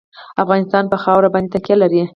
افغانستان په خاوره باندې تکیه لري.